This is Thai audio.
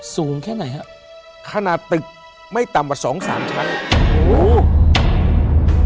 สูงแค่ไหนฮะขนาดตึกไม่ต่ำกว่าสองสามชั้นโอ้โห